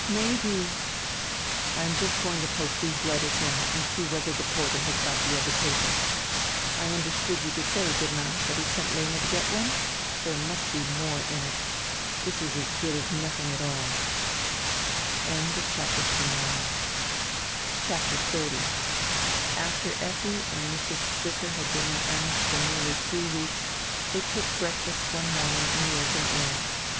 "May be." "I am just going to post diese letters now and see whetiier die porter has got die odier paper. I understood you to say, didn't I, diat he sent Lena to get one? There must be more in it; this is as good as nodiing at all." CHAPTER XXX [AFTER Effi and Mrs. Zwicker had been in Ems for nearly three weeks they took breakfast one morning in the open air.